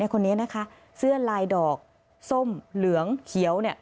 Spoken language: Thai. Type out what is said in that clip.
คนนี้นะคะเสื้อลายดอกส้มเหลืองเขียว